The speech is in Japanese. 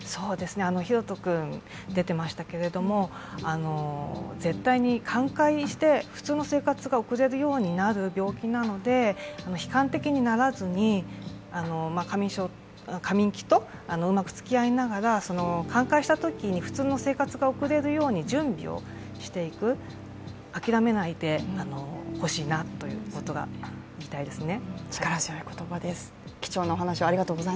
ひろと君、出ていましたけど絶対に寛解して、普通の生活が送れるようになる病気なので悲観的にならずに過眠期とうまくつきあいながら寛解したときに普通の生活が送れるように準備をしていく、諦めないでほしいなということが言いたいですね。